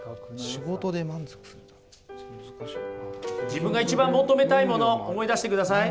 自分が一番求めたいもの思い出してください。